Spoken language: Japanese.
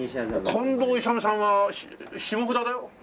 近藤勇さんは下布田だよ？